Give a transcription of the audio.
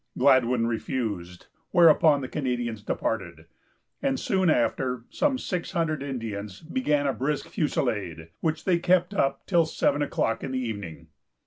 Gladwyn refused, whereupon the Canadians departed; and soon after some six hundred Indians began a brisk fusillade, which they kept up till seven o'clock in the evening.